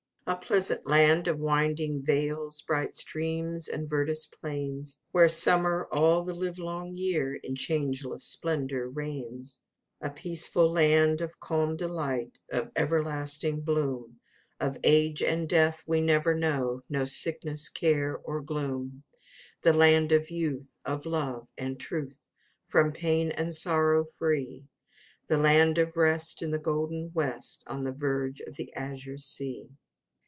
II. A pleasant land of winding vales, bright streams, and verdurous plains, Where summer all the live long year, in changeless splendour reigns; A peaceful land of calm delight, of everlasting bloom; Old age and death we never know, no sickness, care, or gloom; The land of youth, Of love and truth, From pain and sorrow free; The land of rest, In the golden west, On the verge of the azure sea!